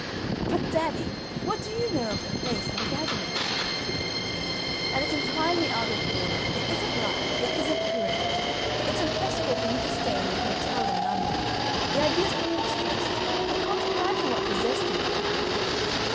"But, daddy, what do you know of the place and the gathering?" "And it's entirely out of order; it isn't right, it isn't correct; it's impossible for you to stay in an hotel in London the idea is preposterous. I can't imagine what possessed you, Veronica."